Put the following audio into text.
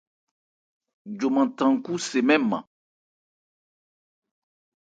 Joman than nkhú se mɛ́n nman.